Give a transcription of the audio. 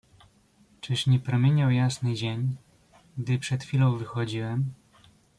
"Czyż nie promieniał jasny dzień, gdy przed chwilą wychodziłem?"